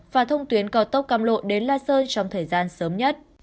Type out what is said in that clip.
và thông tuyến cao tốc cam lộ đến la sơn trong thời gian sớm nhất